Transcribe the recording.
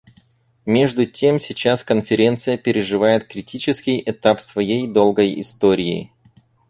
Между тем сейчас Конференция переживает критический этап своей долгой истории.